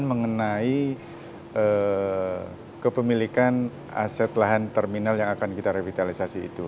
mengenai kepemilikan aset lahan terminal yang akan kita revitalisasi itu